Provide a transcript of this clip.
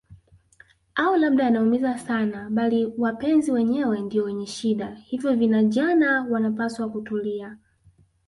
au labda yanaumiza sana bali wapenzi wenyewe ndio wenye shida hivyo vinajana wanapaswa kutulia